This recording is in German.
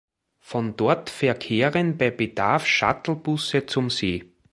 Von dort verkehren bei Bedarf Shuttlebusse zum See.